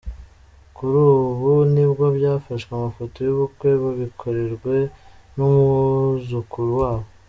Kuri ubu nibwo bafashe amafoto y’Ubukwe babikorerwe n’umwuzukuru wabo.